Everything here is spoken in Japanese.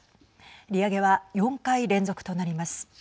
利上げは４回連続となります。